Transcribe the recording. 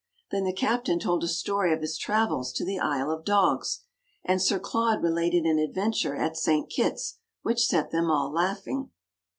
Then the Captain told a story of his travels to the Isle of Dogs, and Sir Claude related an adventure at St. Kitts, which set them all laughing.